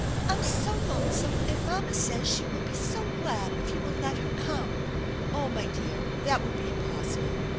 I'm so lonesome, and mamma says she will be so glad if you will let her come/' " Oh, my dear, that would be impossible.